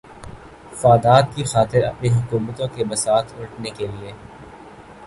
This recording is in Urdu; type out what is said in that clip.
فادات کی خاطر اپنی حکومتوں کی بساط الٹنے کیلئے